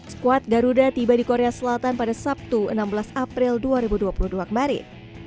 skuad garuda tiba di korea selatan pada sabtu enam belas april dua ribu dua puluh dua kemarin